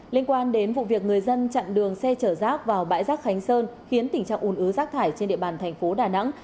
liên quan đến vụ việc người dân chặn đường xe chở rác vào bãi rác khánh sơn khiến tình trạng ủn ứ rác thải trên địa bàn thành phố đà nẵng